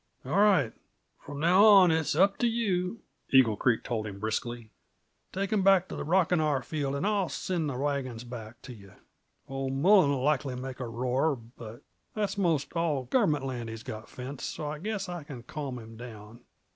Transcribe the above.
"All right. From now on it's up to you," Eagle Creek told him briskly. "Take 'em back t' the Rockin' R field, and I'll send the wagons back t' you. Old Mullen'll likely make a roar but that's most all gove'ment land he's got fenced, so I guess I can calm him down.